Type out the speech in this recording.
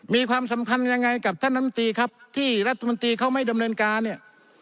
มีความสำคัญยังไงกับท่านน้ำตีครับที่รัฐมนตรีเขาไม่ดำเนินการเนี่ย